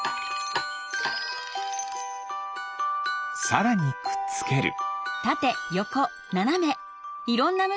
さらにくっつける。